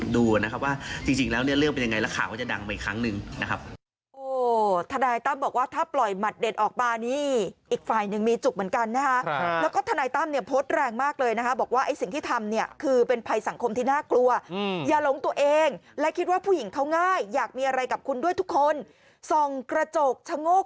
เดี๋ยวก็จะได้ดูนะครับว่าจริงแล้วเรื่องเป็นอย่างไร